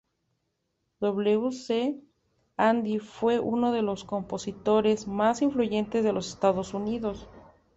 W. C. Handy fue uno de los compositores más influyentes de los Estados Unidos.